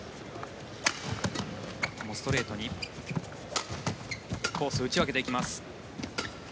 ここもストレートにコースを打ち分けていきます。